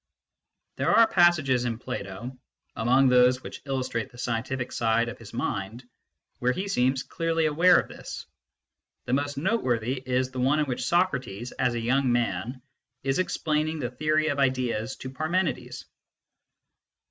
There are passages in Plato among those which illus trate the scientific side of his mind where he seems clearly aware of this. The most noteworthy is the one in which Socrates, as a young man, is explaining the theory of ideas to Parmenides.